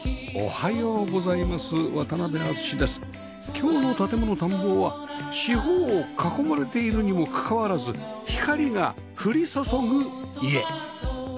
今日の『建もの探訪』は四方を囲まれているにもかかわらず光が降り注ぐ家